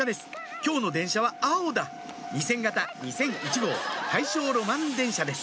今日の電車は青だ２０００形２００１号大正ロマン電車です